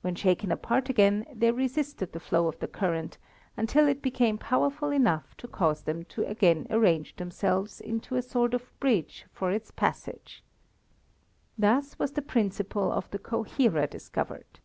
When shaken apart they again resisted the flow of current until it became powerful enough to cause them to again arrange themselves into a sort of bridge for its passage. Thus was the principle of the coherer discovered.